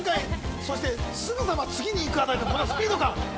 そしてすぐさま次にいくこのスピード感。